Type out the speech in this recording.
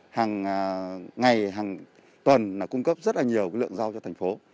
hàng ngày hàng tuần cung cấp rất là nhiều lượng rau cho thành phố